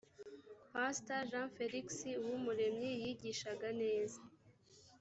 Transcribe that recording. pastor jean felix uwumuremyi yigishaga neza.